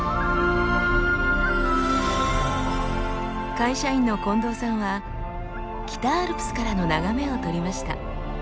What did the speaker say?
会社員の近藤さんは北アルプスからの眺めを撮りました。